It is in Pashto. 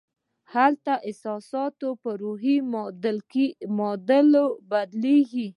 هلته دا احساسات پر روحي معادل بدلېږي